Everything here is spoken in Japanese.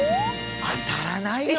当たらないよ